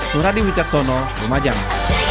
nur hadi wicaksono lumajang